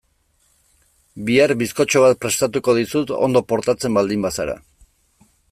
Bihar bizkotxo bat prestatuko dizut ondo portatzen baldin bazara.